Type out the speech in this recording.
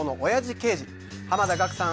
刑事濱田岳さん